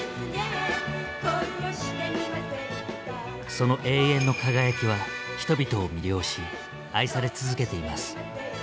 その永遠の輝きは人々を魅了し愛され続けています。